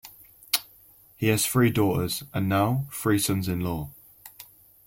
He has three daughters and now three sons-in-law.